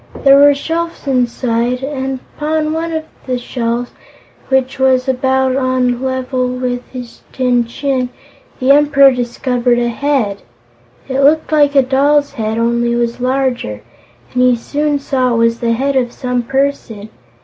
There were shelves inside, and upon one of the shelves which was about on a level with his tin chin the Emperor discovered a Head it looked like a doll's head, only it was larger, and he soon saw it was the Head of some person.